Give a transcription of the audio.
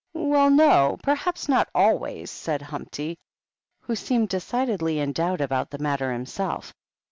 "Well, no. Perhaps not always^^^ said Humpty, who seemed decidedly in doubt about the matter himself.